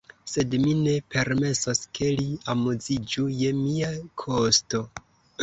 Sed mi ne permesos, ke li amuziĝu je mia kosto!